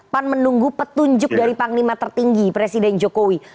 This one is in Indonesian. pan menunggu petunjuk dari panglima tertinggi presiden jokowi